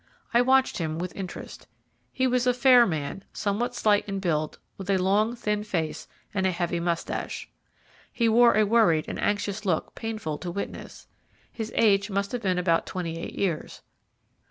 I watched him with interest. He was a fair man, somewhat slight in build, with a long, thin face and a heavy moustache. He wore a worried and anxious look painful to witness; his age must have been about twenty eight years.